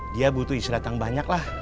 dia butuh istirahat yang banyak lah